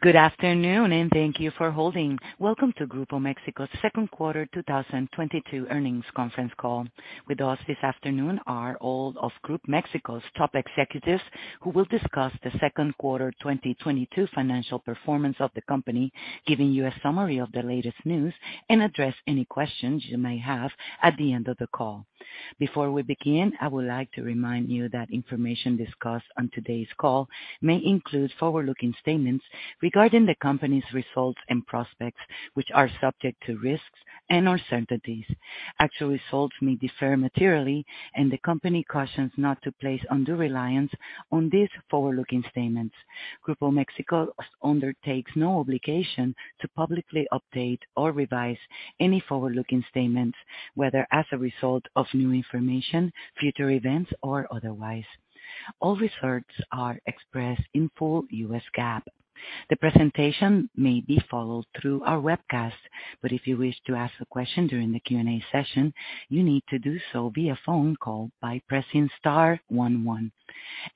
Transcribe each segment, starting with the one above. Good afternoon, and thank you for holding. Welcome to Grupo México's second quarter 2022 earnings conference call. With us this afternoon are all of Grupo México's top executives, who will discuss the second quarter 2022 financial performance of the company, giving you a summary of the latest news, and address any questions you may have at the end of the call. Before we begin, I would like to remind you that information discussed on today's call may include forward-looking statements regarding the company's results and prospects, which are subject to risks and uncertainties. Actual results may differ materially, and the company cautions not to place undue reliance on these forward-looking statements. Grupo México undertakes no obligation to publicly update or revise any forward-looking statements, whether as a result of new information, future events, or otherwise. All results are expressed in full U.S. GAAP. The presentation may be followed through our webcast, but if you wish to ask a question during the Q&A session, you need to do so via phone call by pressing star one one.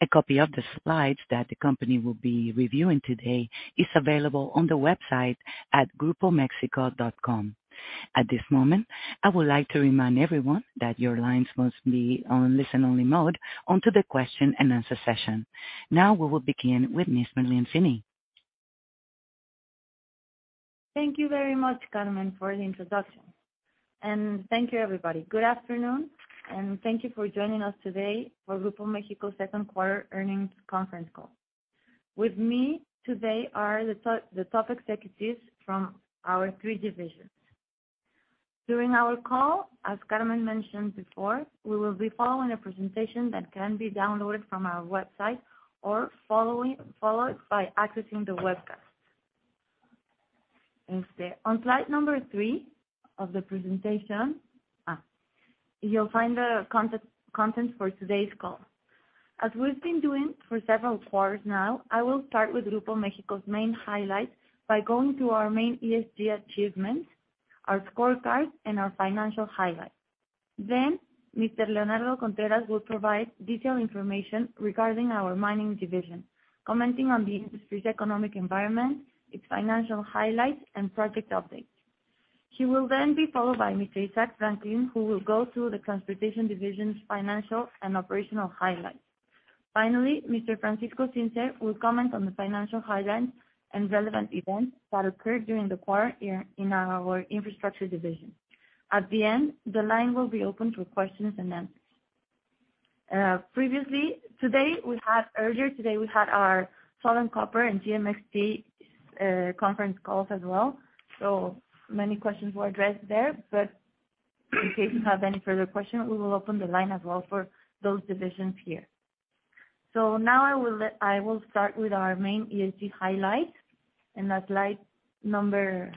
A copy of the slides that the company will be reviewing today is available on the website at grupomexico.com. At this moment, I would like to remind everyone that your lines must be on listen-only mode until the question-and-answer session. Now, we will begin with Ms. Marlene Finny. Thank you very much, Carmen, for the introduction. Thank you, everybody. Good afternoon, and thank you for joining us today for Grupo México's second quarter earnings conference call. With me today are the top executives from our three divisions. During our call, as Carmen mentioned before, we will be following a presentation that can be downloaded from our website or following the webcast. On slide number three of the presentation, you'll find the contents for today's call. As we've been doing for several quarters now, I will start with Grupo México's main highlights by going through our main ESG achievements, our scorecard, and our financial highlights. Mr. Leonardo Contreras will provide detailed information regarding our mining division, commenting on the industry's economic environment, its financial highlights, and project updates. He will then be followed by Mr. Isaac Franklin, who will go through the transportation division's financial and operational highlights. Finally, Mr. Francisco Zinser will comment on the financial highlights and relevant events that occurred during the quarter in our infrastructure division. At the end, the line will be open for questions and answers. Earlier today, we had our Southern Copper and GMXT conference calls as well, so many questions were addressed there. In case you have any further questions, we will open the line as well for those divisions here. Now I will start with our main ESG highlights, in the slide number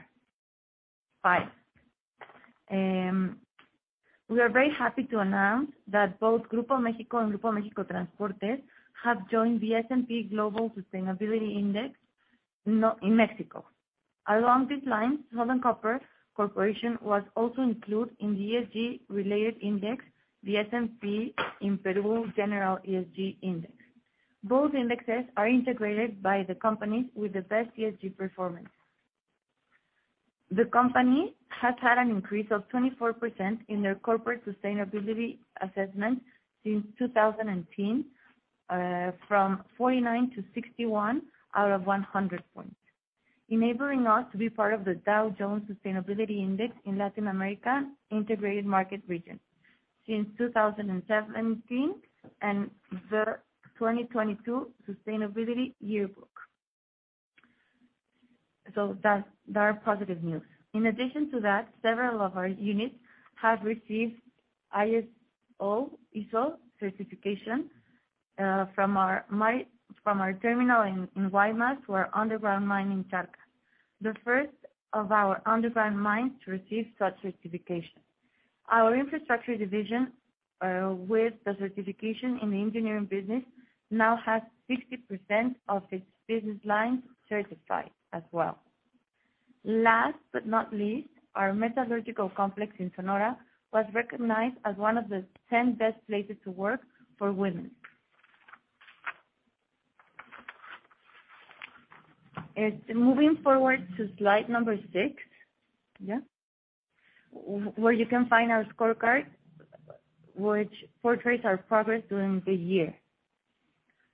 five. We are very happy to announce that both Grupo México and Grupo México Transportes have joined the S&P Global Sustainability Index in Mexico. Along these lines, Southern Copper Corporation was also included in the ESG-related index, the S&P/BVL Peru General ESG Index. Both indexes are integrated by the companies with the best ESG performance. The company has had an increase of 24% in their corporate sustainability assessment since 2010, from 49 to 61 out of 100 points, enabling us to be part of the Dow Jones Sustainability Index in Latin America Integrated Market Research since 2017 and the 2022 Sustainability Yearbook. That's they are positive news. In addition to that, several of our units have received ISO certification, from our terminal in Guaymas to our underground mine in Charcas, the first of our underground mines to receive such certification. Our infrastructure division with the certification in the engineering business now has 60% of its business lines certified as well. Last but not least, our metallurgical complex in Sonora was recognized as one of the 10 best places to work for women. Moving forward to slide number six, where you can find our scorecard, which portrays our progress during the year.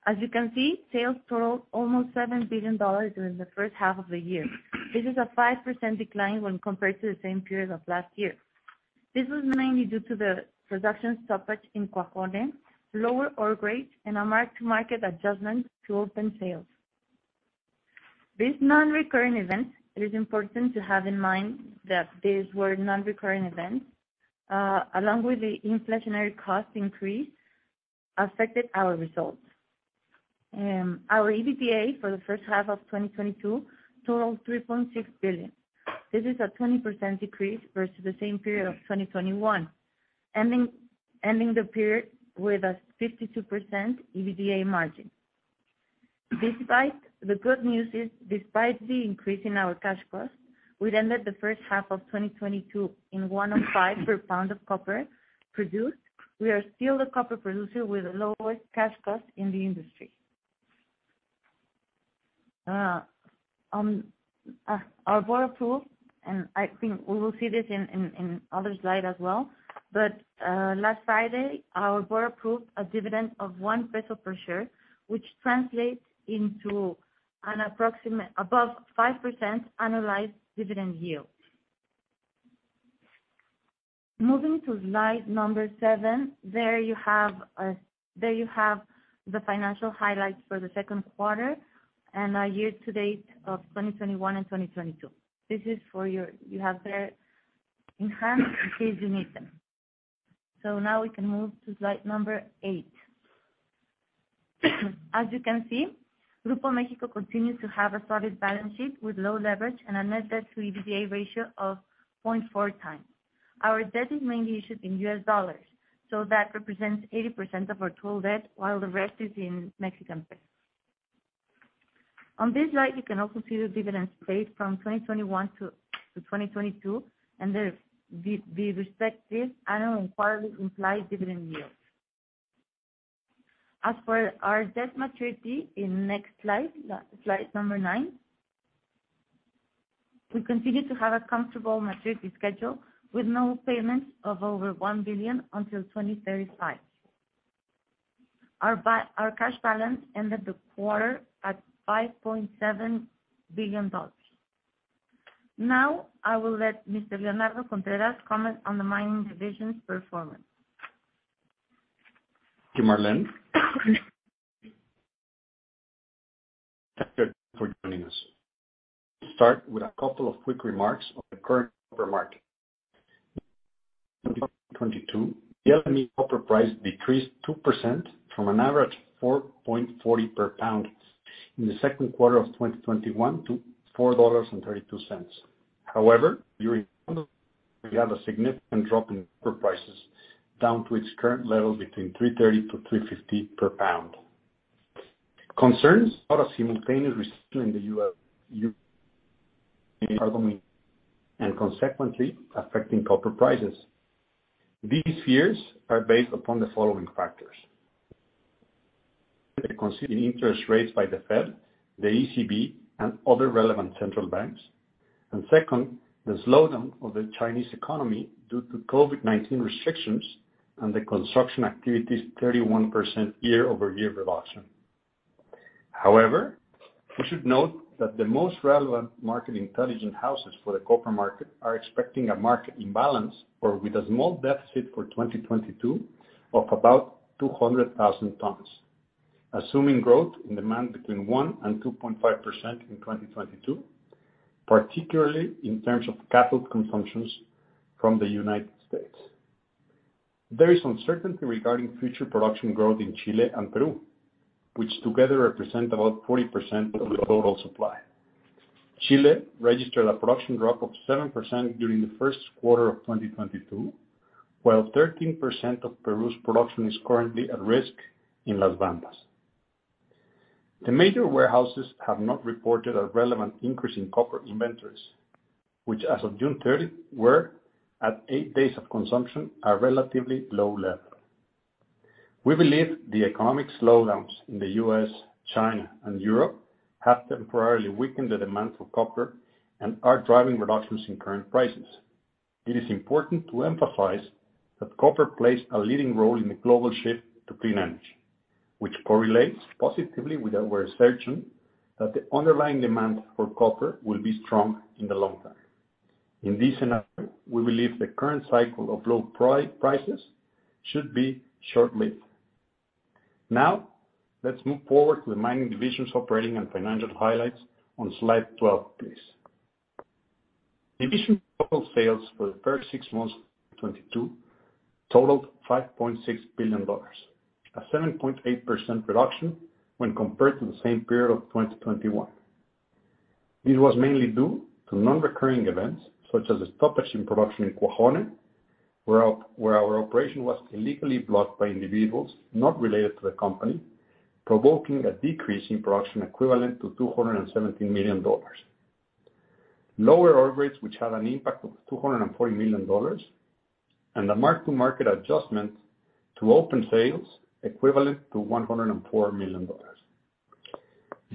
As you can see, sales totaled almost $7 billion during the first half of the year. This is a 5% decline when compared to the same period of last year. This was mainly due to the production stoppage in Coahuila, lower ore grades, and a mark-to-market adjustment to open sales. These non-recurring events, it is important to have in mind that these were non-recurring events, along with the inflationary cost increase, affected our results. Our EBITDA for the first half of 2022 totaled $3.6 billion. This is a 20% decrease versus the same period of 2021, ending the period with a 52% EBITDA margin. The good news is, despite the increase in our cash costs, we ended the first half of 2022 at $1.05 per lb of copper produced. We are still the copper producer with the lowest cash cost in the industry. Our board approved, and I think we will see this in other slide as well, but last Friday, our board approved a dividend of 1 peso per share, which translates into an approximate above 5% annualized dividend yield. Moving to slide number seven, there you have the financial highlights for the second quarter and our year-to-date of 2021 and 2022. You have there in hand in case you need them. Now we can move to slide number eight. As you can see, Grupo México continues to have a solid balance sheet with low leverage and a net debt to EBITDA ratio of 0.4x. Our debt is mainly issued in U.S. dollars, so that represents 80% of our total debt, while the rest is in Mexican peso. On this slide, you can also see the dividend paid from 2021 to 2022, and the respective annual and quarterly implied dividend yield. As for our debt maturity in next slide number nine, we continue to have a comfortable maturity schedule with no payments of over $1 billion until 2035. Our cash balance ended the quarter at $5.7 billion. Now I will let Mr. Leonardo Contreras comment on the mining division's performance. Thank you, Marlene. Thank you for joining us. Start with a couple of quick remarks on the current copper market. In 2022, the LME copper price decreased 2% from an average of $4.40 per lb in the second quarter of 2021 to $4.32. However, we have a significant drop in copper prices down to its current level between $3.30 per lb -$3.50 per lb. Concerns are simultaneously in the U.S. and consequently affecting copper prices. These fears are based upon the following factors. The interest rates considered by the Fed, the ECB and other relevant central banks. Second, the slowdown of the Chinese economy due to COVID-19 restrictions and the construction activity's 31% year-over-year reduction. However, we should note that the most relevant market intelligence houses for the copper market are expecting a market imbalance or with a small deficit for 2022 of about 200,000 tons, assuming growth in demand between 1% and 2.5% in 2022, particularly in terms of cathode consumptions from the United States. There is uncertainty regarding future production growth in Chile and Peru, which together represent about 40% of the total supply. Chile registered a production drop of 7% during the first quarter of 2022, while 13% of Peru's production is currently at risk in Las Bambas. The major warehouses have not reported a relevant increase in copper inventories, which as of June 30th were at eight days of consumption, a relatively low level. We believe the economic slowdowns in the U.S., China and Europe have temporarily weakened the demand for copper and are driving reductions in current prices. It is important to emphasize that copper plays a leading role in the global shift to clean energy, which correlates positively with our assertion that the underlying demand for copper will be strong in the long term. In this scenario, we believe the current cycle of low prices should be short-lived. Now, let's move forward to the mining division's operating and financial highlights on slide 12, please. Division total sales for the first six months of 2022 totaled $5.6 billion, a 7.8% reduction when compared to the same period of 2021. This was mainly due to non-recurring events such as a stoppage in production in Cuajone, where our operation was illegally blocked by individuals not related to the company, provoking a decrease in production equivalent to $217 million. Lower ore grades, which had an impact of $240 million, and a mark-to-market adjustment to open sales equivalent to $104 million.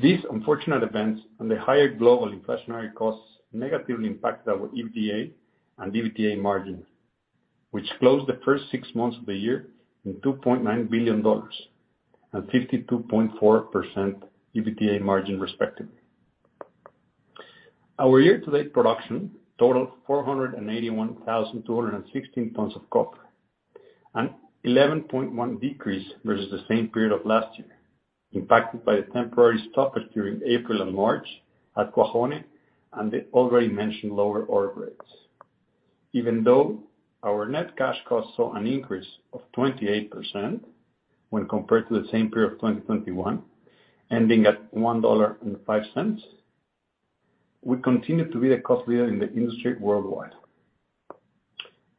These unfortunate events and the higher global inflationary costs negatively impacted our EBITDA and EBITDA margin, which closed the first six months of the year in $2.9 billion and 52.4% EBITDA margin, respectively. Our year-to-date production totaled 481,216 tons of copper, an 11.1% decrease versus the same period of last year, impacted by a temporary stoppage during April and March at Cuajone and the already mentioned lower ore grades. Even though our net cash costs saw an increase of 28% when compared to the same period of 2021, ending at $1.05, we continue to be the cost leader in the industry worldwide.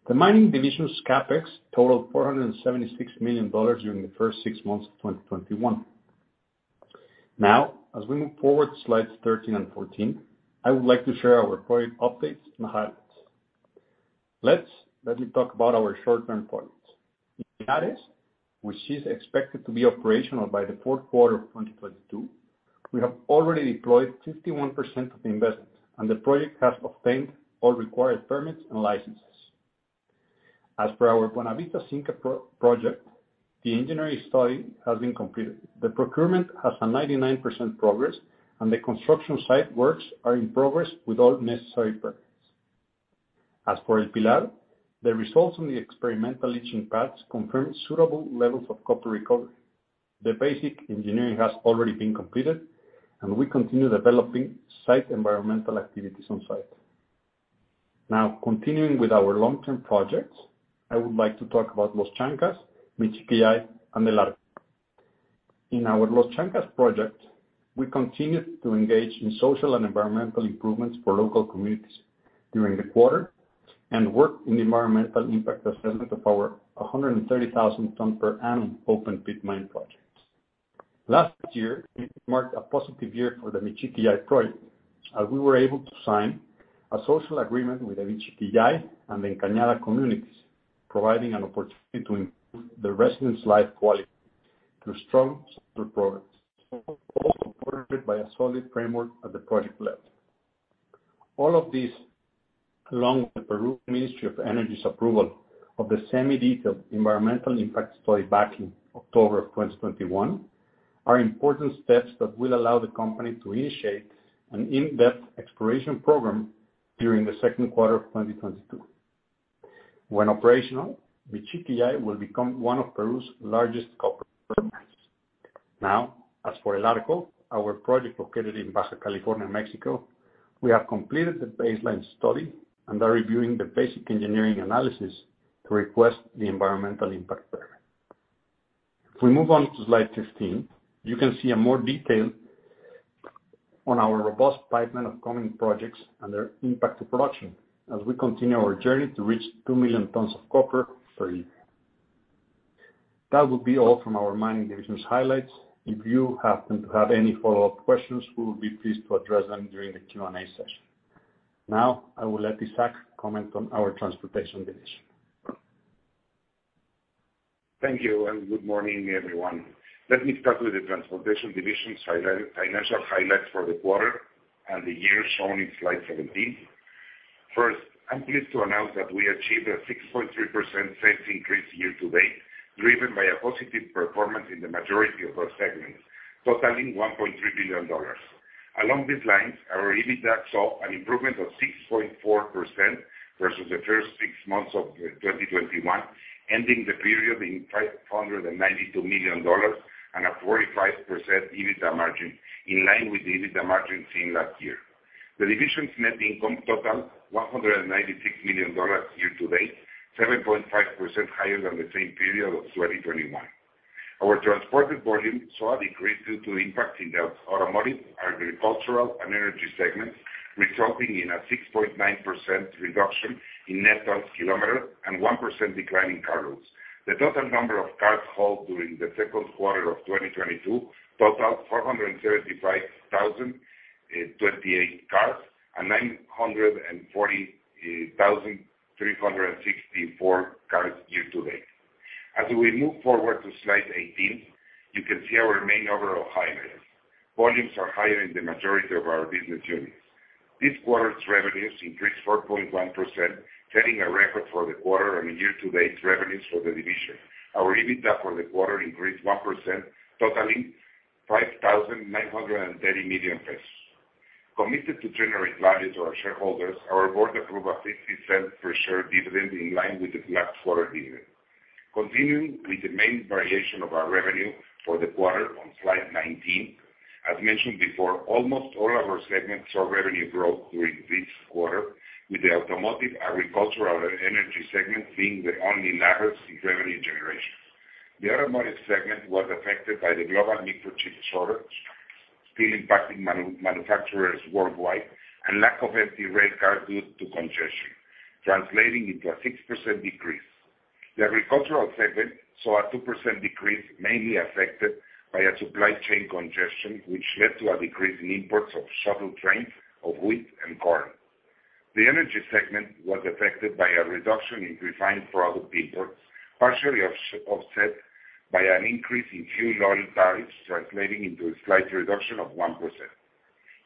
The mining division's CapEx totaled $476 million during the first six months of 2021. Now, as we move forward to slides 13 and 14, I would like to share our project updates and highlights. Let me talk about our short-term projects. In Pilares, which is expected to be operational by the fourth quarter of 2022, we have already deployed 51% of the investment, and the project has obtained all required permits and licenses. As per our Buenavista zinc project, the engineering study has been completed. The procurement has 99% progress, and the construction site works are in progress with all necessary permits. As for El Pilar, the results on the experimental leaching pads confirm suitable levels of copper recovery. The basic engineering has already been completed, and we continue developing site environmental activities on-site. Now, continuing with our long-term projects, I would like to talk about Los Chancas, Michiquillay, and El Arco. In our Los Chancas project, we continued to engage in social and environmental improvements for local communities during the quarter, and work in the environmental impact assessment of our 130,000 ton per annum open pit mine projects. Last year, it marked a positive year for the Michiquillay project, as we were able to sign a social agreement with the Michiquillay and Encañada communities, providing an opportunity to improve the residents' life quality through strong social programs, supported by a solid framework at the project level. All of this, along with the Ministry of Energy and Mines of Peru's approval of the semi-detailed environmental impact study back in October 2021, are important steps that will allow the company to initiate an in-depth exploration program during the second quarter of 2022. When operational, Michiquillay will become one of Peru's largest copper. Now, as for El Arco, our project located in Baja California, Mexico, we have completed the baseline study and are reviewing the basic engineering analysis to request the environmental impact permit. If we move on to slide 15, you can see a more detail on our robust pipeline of coming projects and their impact to production as we continue our journey to reach 2 million tons of copper per year. That would be all from our mining division's highlights. If you happen to have any follow-up questions, we will be pleased to address them during the Q&A session. Now, I will let Isaac comment on our transportation division. Thank you, and good morning, everyone. Let me start with the transportation division's financial highlights for the quarter and the year shown in slide 17. First, I'm pleased to announce that we achieved a 6.3% sales increase year-to-date, driven by a positive performance in the majority of our segments, totaling $1.3 billion. Along these lines, our EBITDA saw an improvement of 6.4% versus the first six months of 2021, ending the period in $592 million and a 45% EBITDA margin, in line with the EBITDA margin seen last year. The division's net income totaled $196 million year-to-date, 7.5% higher than the same period of 2021. Our transported volume saw a decrease due to impact in the automotive, agricultural, and energy segments, resulting in a 6.9% reduction in net tonne-kilometer and 1% decline in car loads. The total number of cars hauled during the second quarter of 2022 totaled 435,028 cars and 940,364 cars year-to-date. As we move forward to slide 18, you can see our main overall highlights. Volumes are higher in the majority of our business units. This quarter's revenues increased 4.1%, setting a record for the quarter and year-to-date revenues for the division. Our EBITDA for the quarter increased 1%, totaling $5.930 billion. Committed to generate value to our shareholders, our board approved a 0.50 per share dividend in line with the last quarter dividend. Continuing with the main variation of our revenue for the quarter on slide 19, as mentioned before, almost all of our segments saw revenue growth during this quarter, with the automotive, agricultural, and energy segment being the only laggards in revenue generation. The automotive segment was affected by the global microchip shortage still impacting manufacturers worldwide and lack of empty railcar due to congestion, translating into a 6% decrease. The agricultural segment saw a 2% decrease, mainly affected by a supply chain congestion, which led to a decrease in imports of shuttle trains of wheat and corn. The energy segment was affected by a reduction in refined product imports, partially offset by an increase in fuel oil tariffs, translating into a slight reduction of 1%.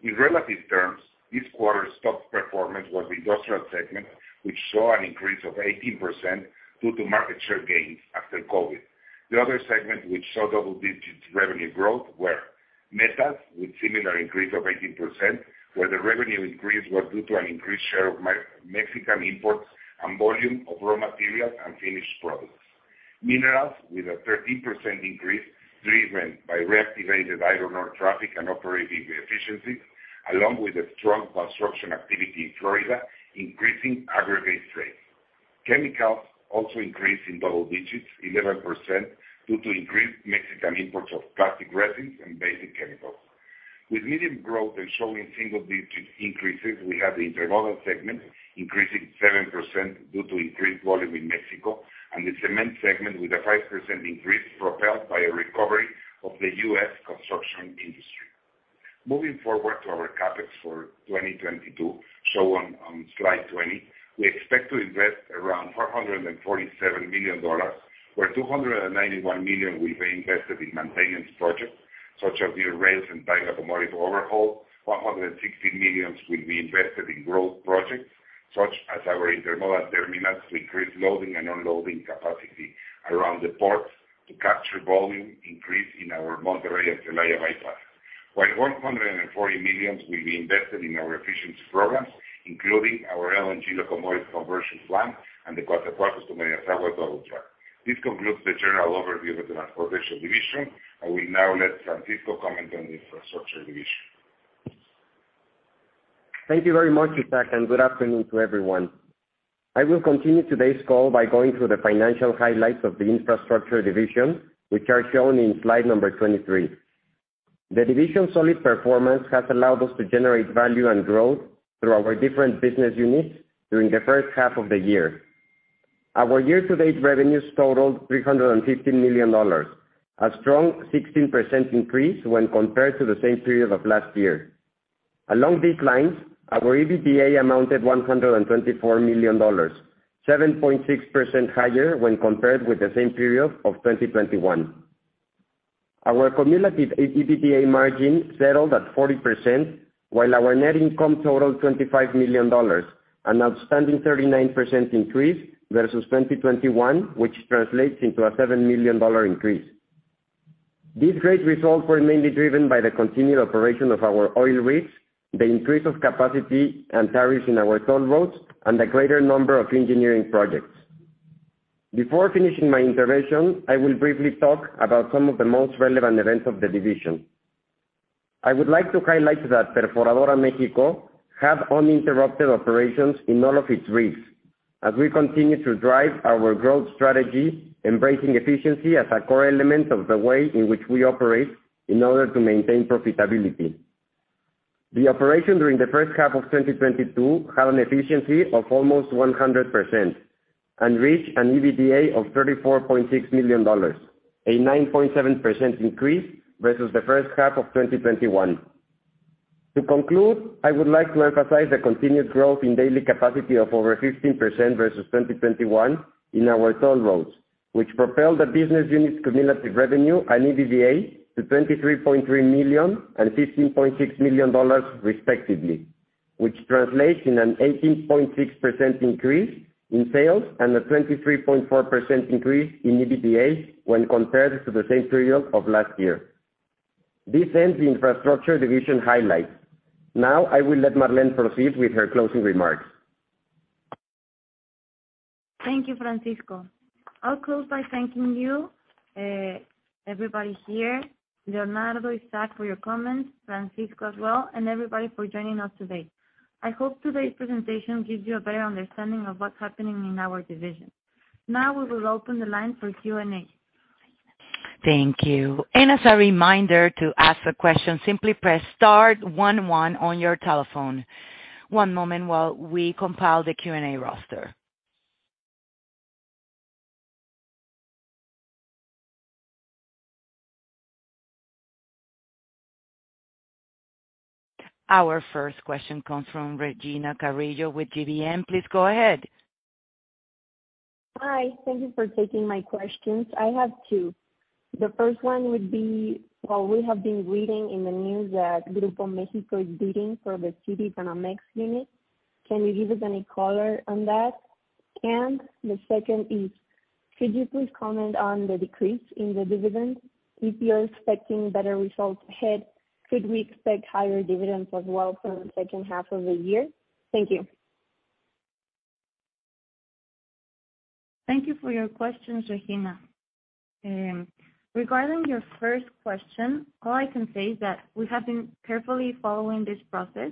In relative terms, this quarter's top performance was the industrial segment, which saw an increase of 18% due to market share gains after COVID. The other segment which saw double-digit revenue growth were metals, with similar increase of 18%, where the revenue increase was due to an increased share of Mexican imports and volume of raw materials and finished products. Minerals, with a 13% increase driven by reactivated iron ore traffic and operating efficiency, along with the strong construction activity in Florida, increasing aggregate trade. Chemicals also increased in double digits, 11%, due to increased Mexican imports of plastic resins and basic chemicals. With medium growth and showing single digit increases, we have the Intermodal segment increasing 7% due to increased volume in Mexico. The Cement segment with a 5% increase propelled by a recovery of the U.S. construction industry. Moving forward to our CapEx for 2022, shown on slide 20, we expect to invest around $447 million, where $291 million will be invested in maintenance projects, such as new rails and their locomotive overhaul. $160 million will be invested in growth projects, such as our intermodal terminals to increase loading and unloading capacity around the ports to capture volume increase in our Monterrey and Celaya bypass. While $140 million will be invested in our efficiency programs, including our LNG locomotive conversion plan and the Coatzacoalcos to Minatitlán double track. This concludes the general overview of the Transportation division. I will now let Francisco comment on the Infrastructure division. Thank you very much, Isaac, and good afternoon to everyone. I will continue today's call by going through the financial highlights of the Infrastructure division, which are shown in slide number 23. The division's solid performance has allowed us to generate value and growth through our different business units during the first half of the year. Our year-to-date revenues totaled $350 million, a strong 16% increase when compared to the same period of last year. Along these lines, our EBITDA amounted to $124 million, 7.6% higher when compared with the same period of 2021. Our cumulative EBITDA margin settled at 40%, while our net income totaled $25 million, an outstanding 39% increase versus 2021, which translates into a $7 million increase. These great results were mainly driven by the continued operation of our oil rigs, the increase of capacity and tariffs in our toll roads, and the greater number of engineering projects. Before finishing my intervention, I will briefly talk about some of the most relevant events of the division. I would like to highlight that Perforadora Mexico had uninterrupted operations in all of its rigs as we continue to drive our growth strategy, embracing efficiency as a core element of the way in which we operate in order to maintain profitability. The operation during the first half of 2022 had an efficiency of almost 100% and reached an EBITDA of $34.6 million, a 9.7% increase versus the first half of 2021. To conclude, I would like to emphasize the continued growth in daily capacity of over 15% versus 2021 in our toll roads, which propelled the business unit's cumulative revenue and EBITDA to $23.3 million and $15.6 million respectively, which translates in an 18.6% increase in sales and a 23.4% increase in EBITDA when compared to the same period of last year. This ends the Infrastructure Division highlights. Now I will let Marlene proceed with her closing remarks. Thank you, Francisco. I'll close by thanking you, everybody here, Leonardo, Isaac, for your comments, Francisco as well, and everybody for joining us today. I hope today's presentation gives you a better understanding of what's happening in our division. Now, we will open the line for Q&A. Thank you. As a reminder, to ask a question, simply press star one one on your telephone. One moment while we compile the Q&A roster. Our first question comes from Regina Carrillo with GBM. Please go ahead. Hi. Thank you for taking my questions. I have two. The first one would be, well, we have been reading in the news that Grupo México is bidding for the CitiBanamex unit. Can you give us any color on that? The second is, could you please comment on the decrease in the dividend? If you're expecting better results ahead, could we expect higher dividends as well for the second half of the year? Thank you. Thank you for your questions, Regina. Regarding your first question, all I can say is that we have been carefully following this process,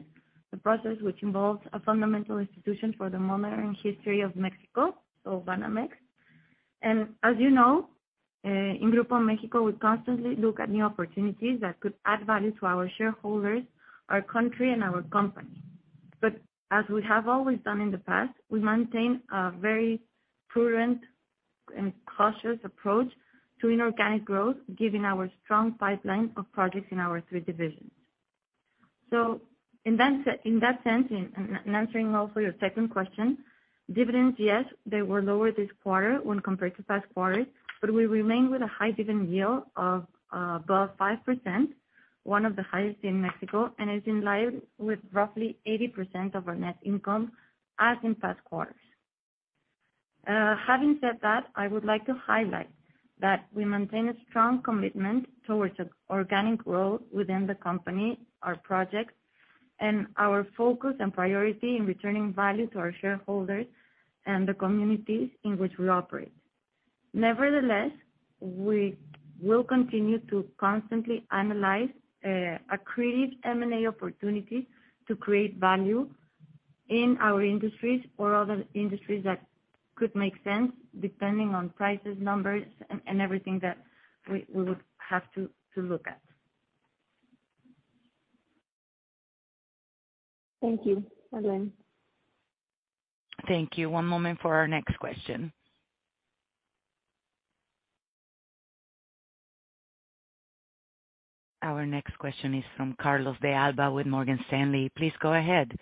the process which involves a fundamental institution for the modern history of Mexico, so Banamex. As you know, in Grupo México, we constantly look at new opportunities that could add value to our shareholders, our country, and our company. As we have always done in the past, we maintain a very prudent and cautious approach to inorganic growth, given our strong pipeline of projects in our three divisions. In that sense, answering also your second question, dividends, yes, they were lower this quarter when compared to past quarters, but we remain with a high dividend yield of above 5%, one of the highest in Mexico, and is in line with roughly 80% of our net income, as in past quarters. Having said that, I would like to highlight that we maintain a strong commitment towards organic growth within the company, our projects, and our focus and priority in returning value to our shareholders and the communities in which we operate. Nevertheless, we will continue to constantly analyze accretive M&A opportunities to create value in our industries or other industries that could make sense depending on prices, numbers and everything that we would have to look at. Thank you, Marlene. Thank you. One moment for our next question. Our next question is from Carlos de Alba with Morgan Stanley. Please go ahead.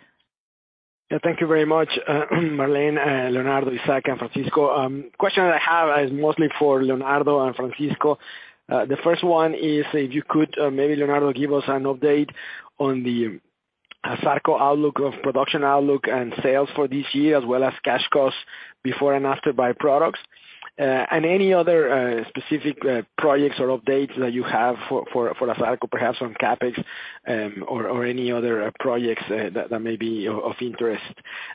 Yeah. Thank you very much, Marlene, Leonardo, Isaac, and Francisco. Question I have is mostly for Leonardo and Francisco. The first one is if you could, maybe Leonardo, give us an update on the Asarco outlook of production outlook and sales for this year, as well as cash costs before and after byproducts. Any other specific projects or updates that you have for Asarco, perhaps on CapEx, or any other projects that may be of interest.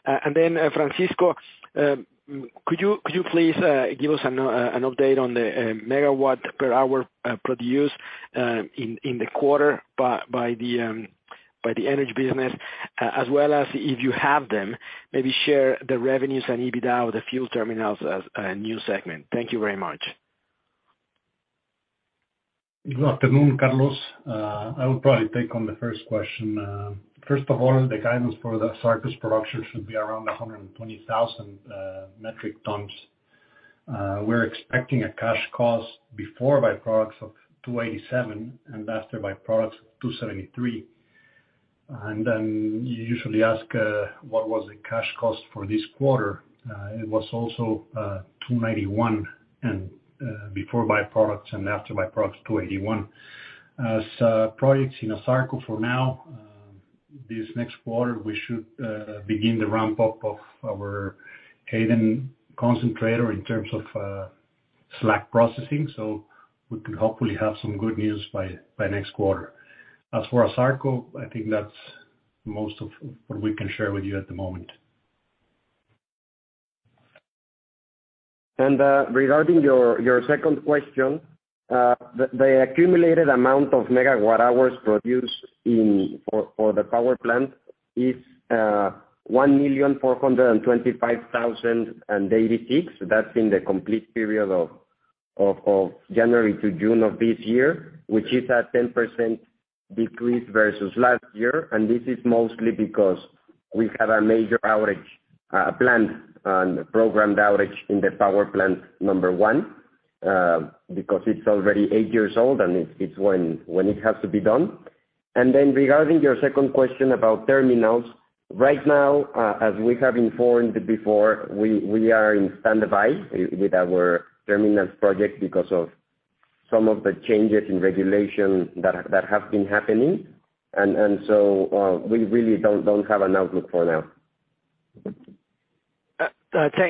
Francisco, could you please give us an update on the megawatt-hour produced in the quarter by the energy business? As well as if you have them, maybe share the revenues and EBITDA of the fuel terminals as a new segment. Thank you very much. Good afternoon, Carlos. I will probably take on the first question. First of all, the guidance for Asarco's production should be around 120,000 metric tons. We're expecting a cash cost before byproducts of $2.87, and after byproducts, $2.73. Then you usually ask what was the cash cost for this quarter. It was also $2.91 before byproducts and after byproducts, $2.81. As for projects in Asarco for now, this next quarter we should begin the ramp up of our Hayden concentrator in terms of slag processing, so we could hopefully have some good news by next quarter. As for Asarco, I think that's most of what we can share with you at the moment. Regarding your second question, the accumulated amount of megawatt hours produced for the power plant is 1,425,086. That's in the complete period of January to June of this year, which is a 10% decrease versus last year. This is mostly because we had a major outage, planned and programmed outage in the power plant number one, because it's already eight years old and it's when it has to be done. Regarding your second question about terminals, right now, as we have informed before, we are in standby with our terminals project because of some of the changes in regulation that have been happening. We really don't have an outlook for now.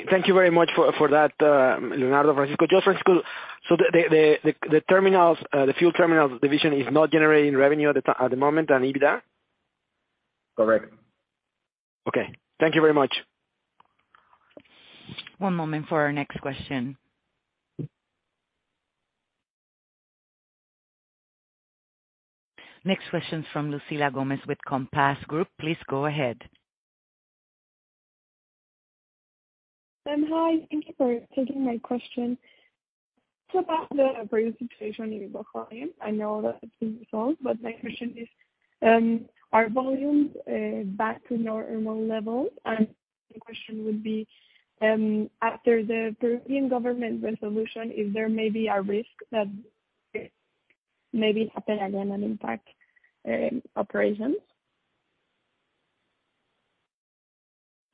Thank you very much for that, Leonardo, Francisco. Just Francisco, so the terminals, the fuel terminals division is not generating revenue at the moment or EBITDA? Correct. Okay. Thank you very much. One moment for our next question. Next question is from Lucila Gomez with Compass Group. Please go ahead. Hi. Thank you for taking my question. It's about the previous situation in Cuajone. I know that it's been resolved, but my question is, are volumes back to normal levels? The second question would be, after the Peruvian government resolution, is there maybe a risk that happen again and impact operations?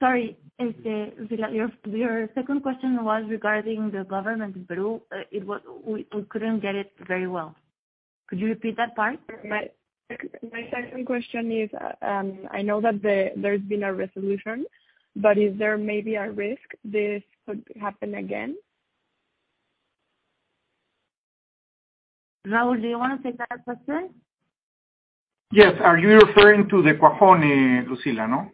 Sorry. If, Lucila, your second question was regarding the government bill? We couldn't get it very well. Could you repeat that part? My second question is, I know that there's been a resolution, but is there maybe a risk this could happen again? Leonardo, do you wanna take that question? Yes. Are you referring to the Cuajone, Lucila, no?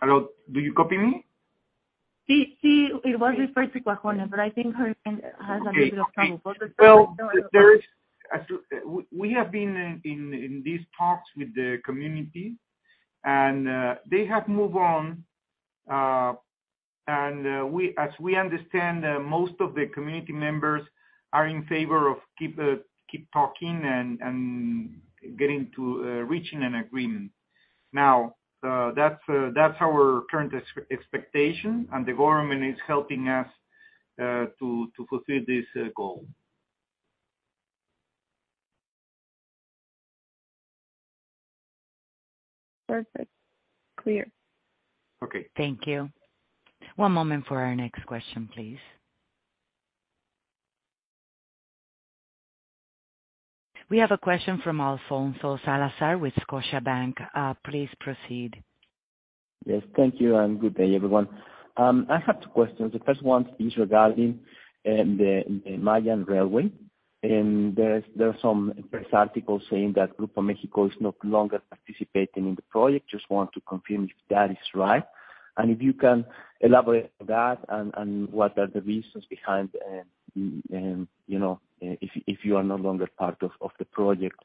Hello, do you copy me? It was referred to Cuajone, but I think her end has a little bit of trouble. Well, as we have been in these talks with the community and they have moved on. As we understand, most of the community members are in favor of keep talking and getting to reaching an agreement. Now, that's our current expectation, and the government is helping us to fulfill this goal. Perfect. Clear. Okay. Thank you. One moment for our next question, please. We have a question from Alfonso Salazar with Scotiabank. Please proceed. Yes, thank you, and good day, everyone. I have two questions. The first one is regarding the Tren Maya. There are some press articles saying that Grupo México is no longer participating in the project. Just want to confirm if that is right. If you can elaborate on that and what are the reasons behind you know if you are no longer part of the project.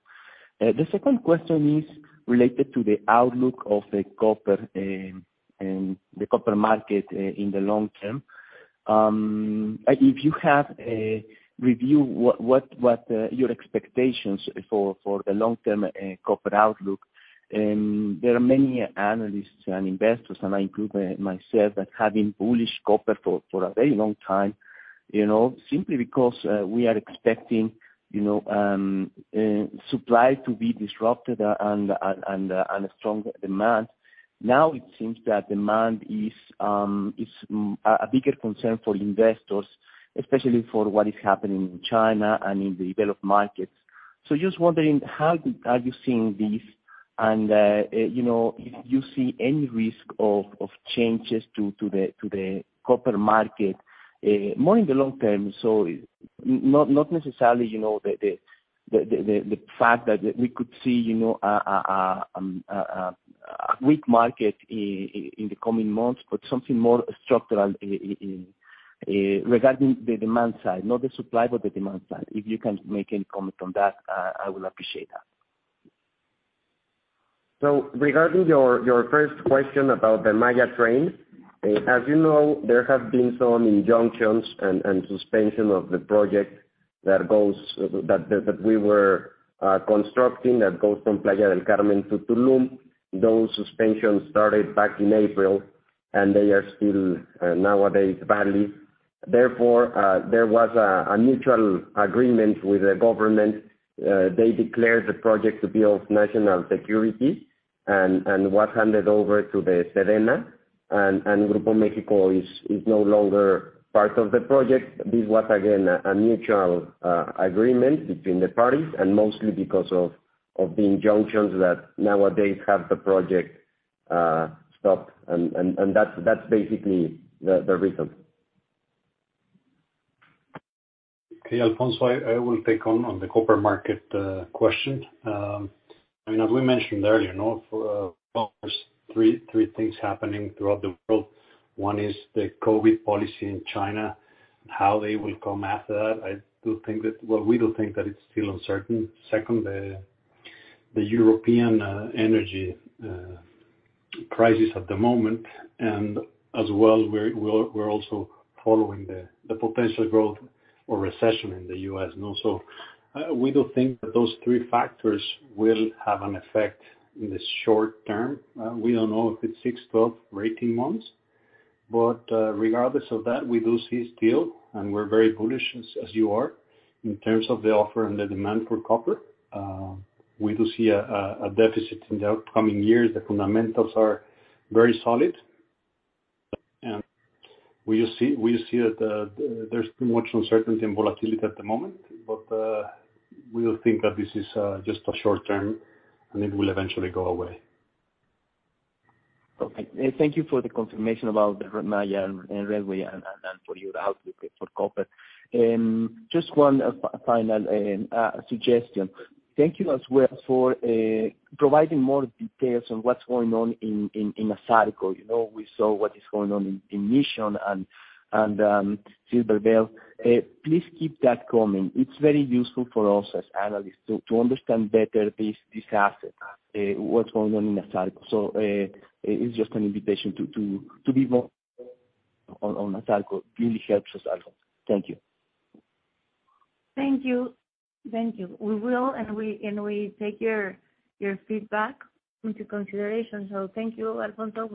The second question is related to the outlook for the copper market in the long term. If you have a view what your expectations for the long term copper outlook, there are many analysts and investors, and I include myself, that have been bullish copper for a very long time, you know, simply because we are expecting, you know, supply to be disrupted and a strong demand. Now it seems that demand is a bigger concern for investors, especially for what is happening in China and in the developed markets. Just wondering how are you seeing this and, you know, if you see any risk of changes to the copper market more in the long term. Not necessarily, you know, the fact that we could see, you know, a weak market in the coming months, but something more structural regarding the demand side, not the supply, but the demand side. If you can make any comment on that, I will appreciate that. Regarding your first question about the Mayan Train, as you know, there have been some injunctions and suspension of the project that we were constructing that goes from Playa del Carmen to Tulum. Those suspensions started back in April, and they are still nowadays valid. Therefore, there was a mutual agreement with the government. They declared the project to be of national security and was handed over to the SEDENA. Grupo México is no longer part of the project. This was again a mutual agreement between the parties and mostly because of the injunctions that nowadays have the project stopped. That's basically the reason. Okay. Alfonso, I will take on the copper market question. I mean, as we mentioned earlier, you know, there's three things happening throughout the world. One is the COVID policy in China and how they will come after that. We do think that it's still uncertain. Second, the European energy crisis at the moment. As well, we're also following the potential growth or recession in the U.S., you know. We do think that those three factors will have an effect in the short term. We don't know if it's six, 12 or 18 months. Regardless of that, we do see still, and we're very bullish as you are, in terms of the offer and the demand for copper. We do see a deficit in the upcoming years. The fundamentals are very solid. We see that there's too much uncertainty and volatility at the moment. We all think that this is just a short term, and it will eventually go away. Okay. Thank you for the confirmation about the Maya railway and for your outlook for copper. Just one final suggestion. Thank you as well for providing more details on what's going on in Asarco. You know, we saw what is going on in Mission and Silver Bell. Please keep that coming. It's very useful for us as analysts to understand better this asset, what's going on in Asarco. It's just an invitation to be more on Asarco. Really helps us a lot. Thank you. Thank you. We take your feedback into consideration. Thank you, Alfonso.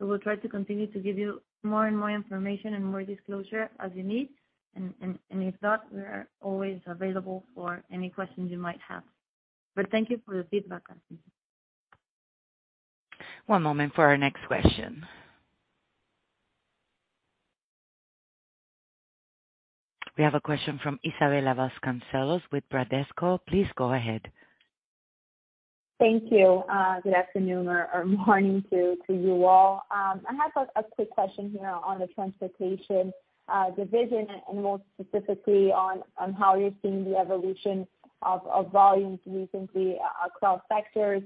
We will try to continue to give you more and more information and more disclosure as you need. If not, we are always available for any questions you might have. Thank you for the feedback, Alfonso. One moment for our next question. We have a question from Isabella Vasconcelos with Bradesco. Please go ahead. Thank you. Good afternoon or morning to you all. I have a quick question here on the transportation division, and more specifically on how you're seeing the evolution of volumes recently across sectors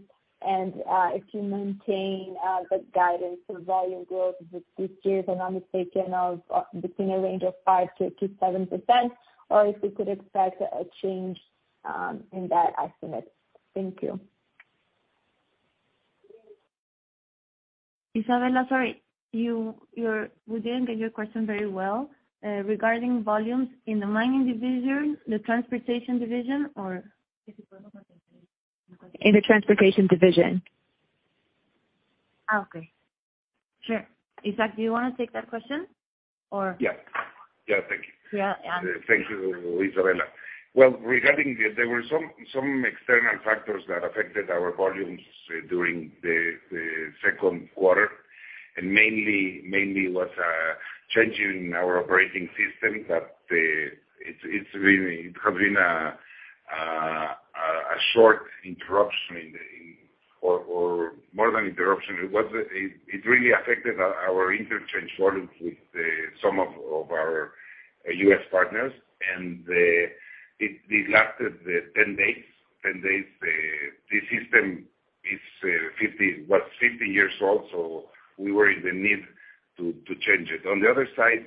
and if you maintain the guidance for volume growth this year, if I'm not mistaken, of between a range of 5%-7% or if we could expect a change in that estimate. Thank you. Isabella, sorry, we didn't get your question very well. Regarding volumes in the mining division, the transportation division or? In the transportation division. Okay, sure. Isaac, do you wanna take that question or? Yeah. Yeah. Thank you. Yeah. Thank you, Isabella. Well, regarding, there were some external factors that affected our volumes during the second quarter, and mainly was changing our operating system. It has been a short interruption or more than interruption. It really affected our interchange volumes with some of our U.S. partners. It lasted 10 days, the system. was 50 years old, so we were in the need to change it. On the other side,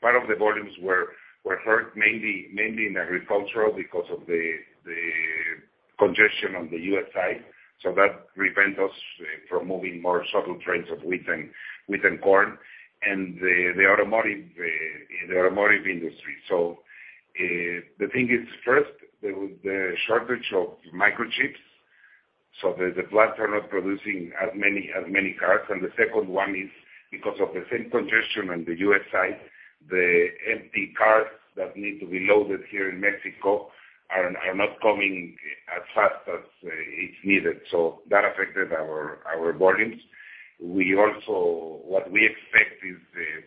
part of the volumes were hurt mainly in agricultural because of the congestion on the U.S. side. That prevent us from moving more shuttle trains of wheat and corn and the automotive industry. The thing is first, the shortage of microchips, so the plants are not producing as many cars. The second one is because of the same congestion on the U.S. side, the empty cars that need to be loaded here in Mexico are not coming as fast as it's needed. That affected our volumes. We also what we expect is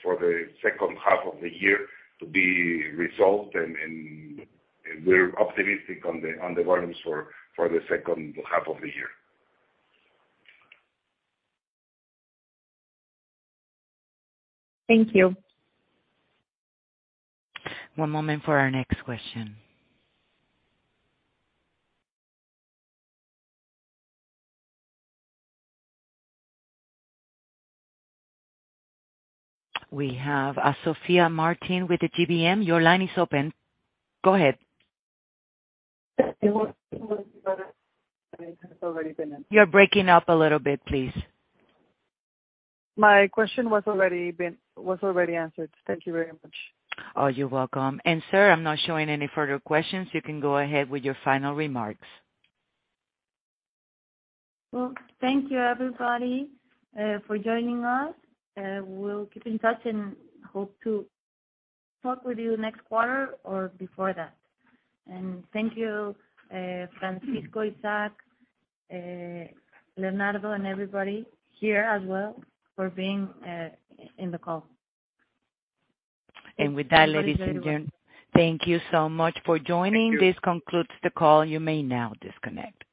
for the second half of the year to be resolved, and we're optimistic on the volumes for the second half of the year. Thank you. One moment for our next question. We have a Sofía Martin with the GBM. Your line is open. Go ahead. It has already been an- You're breaking up a little bit, please. My question was already answered. Thank you very much. Oh, you're welcome. Sir, I'm not showing any further questions. You can go ahead with your final remarks. Well, thank you, everybody, for joining us. We'll keep in touch and hope to talk with you next quarter or before that. Thank you, Francisco, Isaac, Leonardo, and everybody here as well for being in the call. With that, ladies and gentlemen, thank you so much for joining. Thank you. This concludes the call. You may now disconnect.